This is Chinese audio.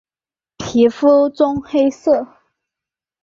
皮肤棕黑色。